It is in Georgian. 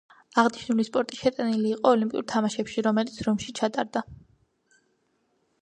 აღნიშნული სპორტი შეტანილი იყო ოლიმპიურ თამაშებში, რომელიც რომში ჩატარდა.